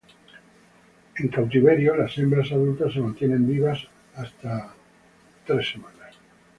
En cautiverio, las hembras adultas se mantienen vivas hasta por tres semanas.